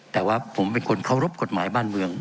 แต่ว่าผมเป็นคนเคารพกฎหมายบ้านเมือง